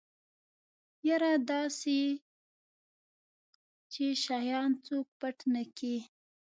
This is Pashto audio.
يره دا اسې چې شيان څوک پټ نکي.